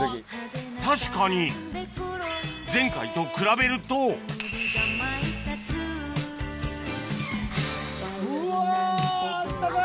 確かに前回と比べるとうわ温かい！